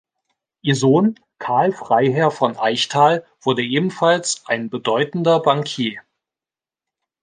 Ihr Sohn Karl Freiherr von Eichthal wurde ebenfalls ein bedeutender Bankier.